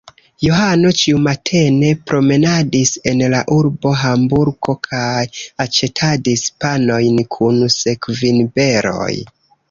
Johano ĉiumatene promenadis en la urbo Hamburgo kaj aĉetadis panojn kun sekvinberoj.